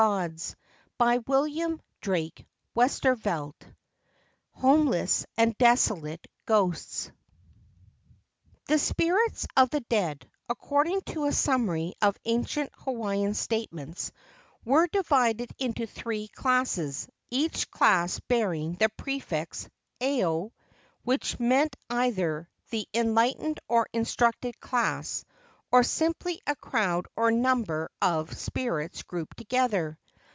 HOMELESS AND DESOLATE GHOSTS 245 HOMELESS AND DESOLATE GHOSTS The spirits of the dead, according to a summary of ancient Hawaiian statements, were divided into three classes, each class bearing the prefix "ao," which meant either the en¬ lightened or instructed class, or simply a crowd or number of spirits grouped together.